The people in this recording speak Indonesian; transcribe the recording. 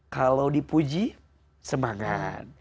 kalau dipuji semangat